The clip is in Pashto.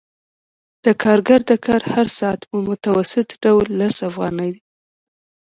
د کارګر د کار هر ساعت په متوسط ډول لس افغانۍ دی